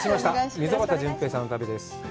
溝端淳平さんの旅です。